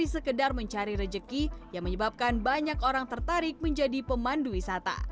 sekedar mencari rejeki yang menyebabkan banyak orang tertarik menjadi pemandu wisata